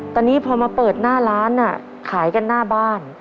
ตอนนี้พอมาเปิดหน้าร้านขายกันหน้าบ้าน